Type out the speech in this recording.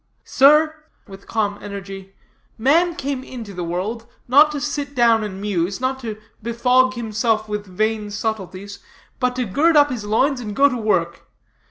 Sir," with calm energy, "man came into this world, not to sit down and muse, not to befog himself with vain subtleties, but to gird up his loins and to work.